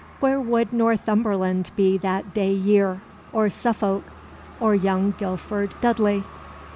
Where would Northumberland be that day year? or Suffolk? or young Guilford Dudley?